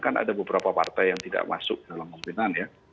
kan ada beberapa partai yang tidak masuk dalam pemerintahan ya